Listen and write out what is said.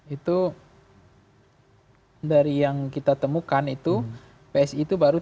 itu dari yang kita temukan itu psi itu baru